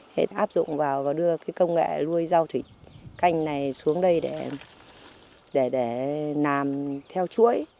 hết áp dụng vào và đưa công nghệ nuôi rau thủy canh này xuống đây để nàm theo chuỗi